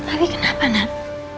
abi kenapa nen